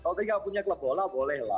kalau tadi nggak punya klub bola boleh lah